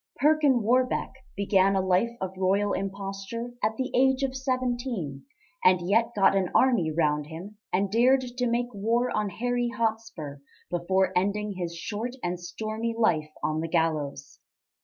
Perkin Warbeck began a life of royal imposture at the age of seventeen and yet got an army round him and dared to make war on Harry Hotspur before ending his short and stormy life on the gallows.